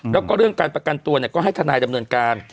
แล้วก็เรื่องการประกันตัวก็ให้ทนายดำเนินการ